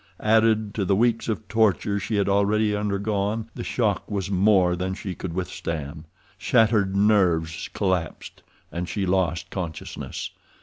Added to the weeks of torture she had already undergone, the shock was more than she could withstand. Shattered nerves collapsed, and she lost consciousness.